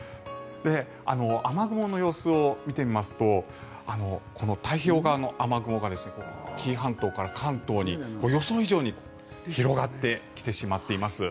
雨雲の様子を見てみますと太平洋側の雨雲が紀伊半島から関東に予想以上に広がってきてしまっています。